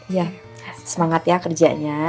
iya semangat ya kerjanya